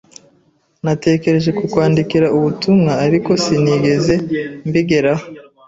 Natekereje kukwandikira ubutumwa, ariko sinigeze mbigeraho.